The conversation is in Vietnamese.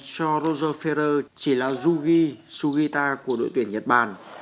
cho roger ferrer chỉ là yugi sugita của đội tuyển nhật bản